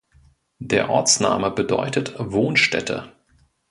Der Ortsname bedeutet Wohnstätte.